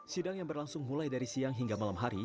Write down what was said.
sidang yang berlangsung mulai dari siang hingga malam hari